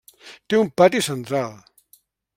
Té un pati central.